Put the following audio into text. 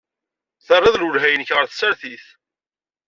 Terriḍ lwelha-nnek ɣer tsertit.